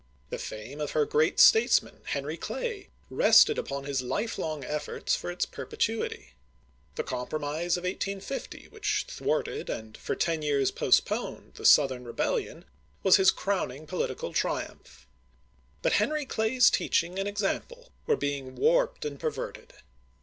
The fame of her great statesman, Henry Clay, rested upon his lifelong efforts for its perpetuity. The compromise of 1850, which thwarted and for ten years postponed the Southern rebellion, was his crowning political triumph. But Henry Clay's teaching and example were being warped and per verted.